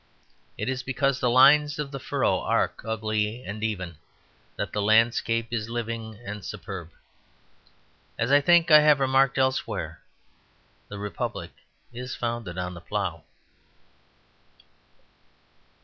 It is just because the lines of the furrow arc ugly and even that the landscape is living and superb. As I think I have remarked elsewhere, the Republic is founded on the plough.